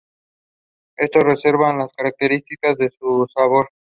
Esto preserva las características de su sabor.